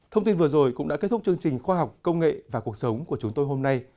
thông tin vừa rồi cũng đã kết thúc chương trình khoa học công nghệ và cuộc sống của chúng tôi hôm nay